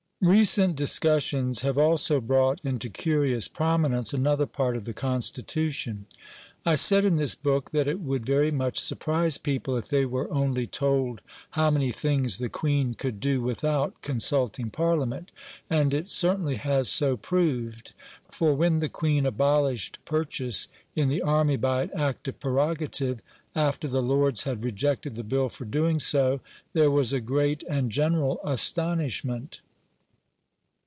Recent discussions have also brought into curious prominence another part of the Constitution. I said in this book that it would very much surprise people if they were only told how many things the Queen could do without consulting Parliament, and it certainly has so proved, for when the Queen abolished Purchase in the Army by an act of prerogative (after the Lords had rejected the bill for doing so), there was a great and general astonishment.